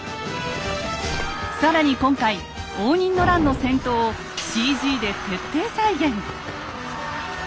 更に今回応仁の乱の戦闘をＣＧで徹底再現。